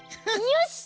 よし！